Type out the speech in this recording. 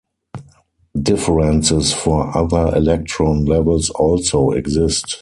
Differences for other electron levels also exist.